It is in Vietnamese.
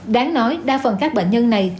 đáng nói đa phần các bệnh nhân này